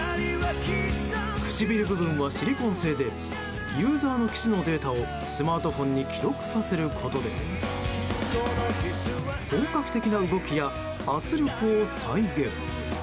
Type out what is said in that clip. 唇部分はシリコン製でユーザーのキスのデータをスマートフォンに記録させることで本格的な動きや圧力を再現。